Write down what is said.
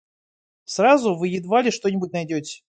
Сразу вы едва ли что-нибудь найдете.